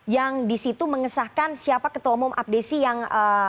yang di situ mengesahkan siapa ketua umum abdesi yang